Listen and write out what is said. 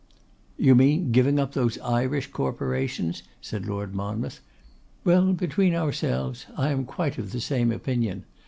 'You mean giving up those Irish corporations?' said Lord Monmouth. 'Well, between ourselves, I am quite of the same opinion.